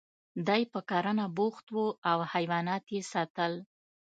دی په کرنه بوخت و او حیوانات یې ساتل